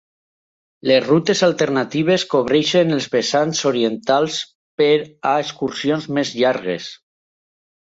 Les rutes alternatives cobreixen els vessants orientals per a excursions més llargues.